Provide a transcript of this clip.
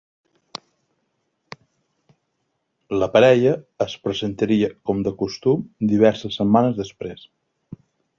La parella es presentaria com de costum diverses setmanes després.